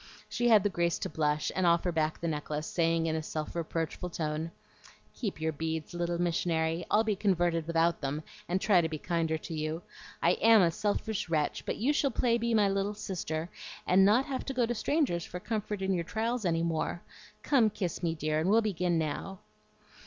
She had the grace to blush, and offer back the necklace, saying in a self reproachful tone, "Keep your beads, little missionary, I'll be converted without them, and try to be kinder to you. I AM a selfish wretch, but you shall play be my little sister, and not have to go to strangers for comfort in your trials any more. Come, kiss me, dear, and we'll begin now."